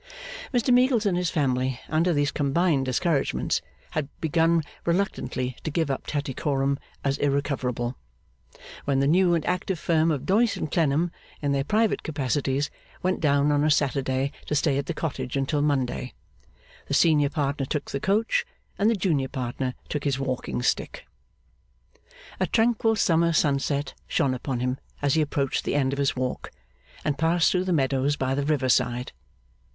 Mr Meagles and his family, under these combined discouragements, had begun reluctantly to give up Tattycoram as irrecoverable, when the new and active firm of Doyce and Clennam, in their private capacities, went down on a Saturday to stay at the cottage until Monday. The senior partner took the coach, and the junior partner took his walking stick. A tranquil summer sunset shone upon him as he approached the end of his walk, and passed through the meadows by the river side.